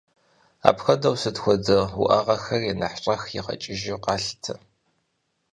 Апхуэдэу сыт хуэдэ уӏэгъэхэри нэхъ щӏэх игъэкӏыжу къалъытэ.